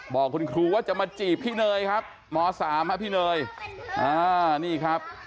บอกคุณครูว่าจะมาจีบพี่เนยครับม๓ครับพี่เนยอ่านี่ครับ